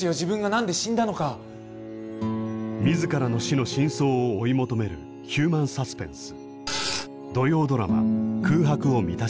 自らの死の真相を追い求めるヒューマンサスペンス。